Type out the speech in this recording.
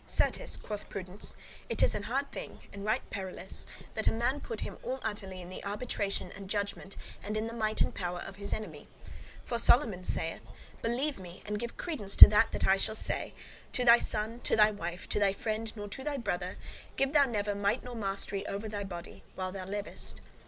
"Certes," quoth Prudence, "it is an hard thing, and right perilous, that a man put him all utterly in the arbitration and judgement and in the might and power of his enemy. For Solomon saith, 'Believe me, and give credence to that that I shall say: to thy son, to thy wife, to thy friend, nor to thy brother, give thou never might nor mastery over thy body, while thou livest.